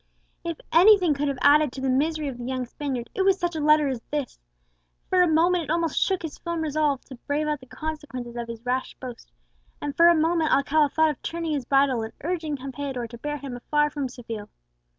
If anything could have added to the misery of the young Spaniard, it was such a letter as this. For a moment it almost shook his firm resolution to brave out the consequences of his rash boast; for a moment Alcala thought of turning his bridle and urging Campeador to bear him afar from Seville!